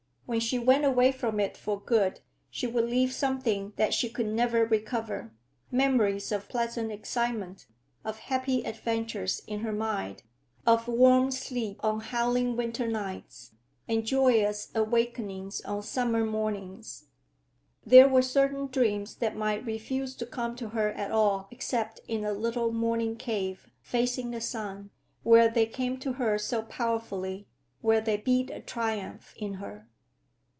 When she went away from it for good, she would leave something that she could never recover; memories of pleasant excitement, of happy adventures in her mind; of warm sleep on howling winter nights, and joyous awakenings on summer mornings. There were certain dreams that might refuse to come to her at all except in a little morning cave, facing the sun—where they came to her so powerfully, where they beat a triumph in her!